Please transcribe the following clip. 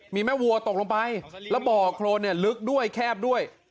มีแม่วัวตกลงไปแล้วบ่อโครนเนี่ยลึกด้วยแคบด้วย